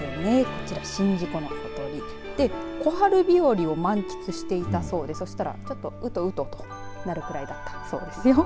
こちら宍道湖のほとり小春日和を満喫していたそうでそしたら、ちょっとうとうととなるくらいだったそうです。